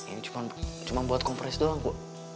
ini cuma buat kompres doang bu